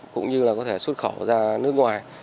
cũng như có thể xuất khẩu ra nước ngoài